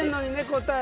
答え。